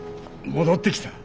戻ってきたよ。